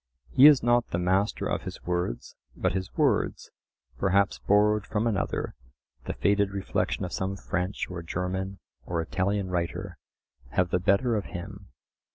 He is not the master of his words, but his words—perhaps borrowed from another—the faded reflection of some French or German or Italian writer, have the better of him.